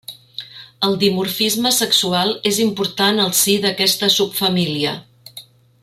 El dimorfisme sexual és important al si d'aquesta subfamília.